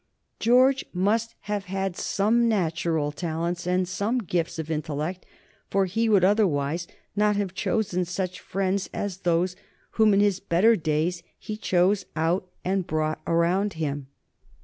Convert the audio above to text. George must have had some natural talents and some gifts of intellect, for he would otherwise not have chosen such friends as those whom in his better days he chose out and brought around him.